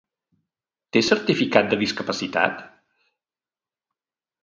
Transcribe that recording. Té certificat de discapacitat?